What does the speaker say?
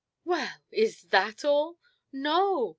"Well, is that all!" "No.